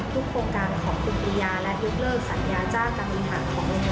โครงการของคุณปียาและยกเลิกสัญญาจ้างการบริหารของโรงเรียน